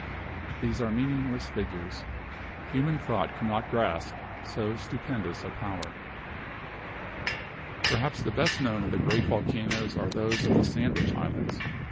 These are meaningless figures. Human thought cannot grasp so stupendous a power. Perhaps the best known of the great volcanoes are those of the Sandwich Islands.